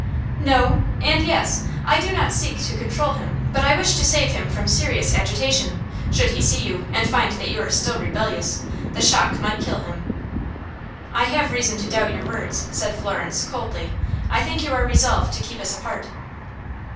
"No, and yes. I do not seek to control him, but I wish to save him from serious agitation. Should he see you, and find that you are still rebellious, the shock might kill him." "I have reason to doubt your words," said Florence, coldly. "I think you are resolved to keep us apart."